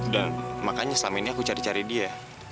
dan makanya selama ini aku cari cari dia